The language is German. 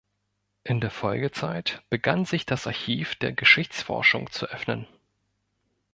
In der Folgezeit begann sich das Archiv der Geschichtsforschung zu öffnen.